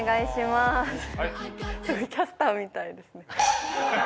すごいキャスターみたいですね。